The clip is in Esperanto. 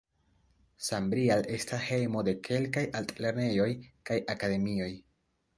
Sambrial estas hejmo de kelkaj altlernejoj kaj akademioj.